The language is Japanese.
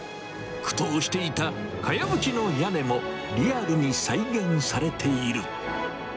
苦闘していたかやぶきの屋根もリアルに再現されている。